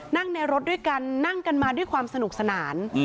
นั่งในรถด้วยกันนั่งกันมาด้วยความสนุกสนาน